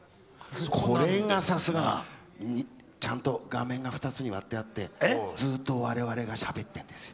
これがちゃんと画面が２つに割ってあってずっと我々がしゃべってるんです。